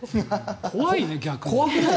怖いね、逆に。